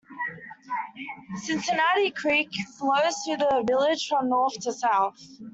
Cincinnati Creek flows through the village from north to south.